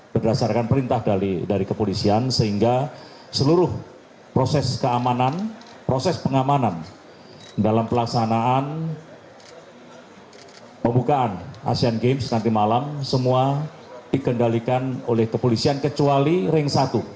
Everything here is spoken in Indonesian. pesta olahraga dan games nanti malam semua dikendalikan oleh kepolisian kecuali ring satu